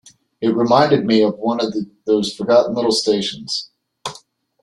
It reminded me of one of those forgotten little stations.